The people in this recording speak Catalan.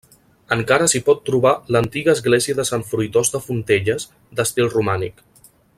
Encara s'hi pot trobar l'antiga església de Sant Fruitós de Fontelles d'estil romànic.